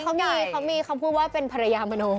ตอนนี้เขามีคำพูดว่าเป็นพระยามโมน